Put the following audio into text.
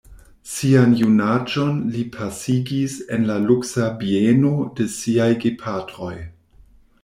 Sian junaĝon li pasigis en la luksa bieno de siaj gepatroj.